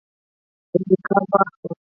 انتقام مه اخلئ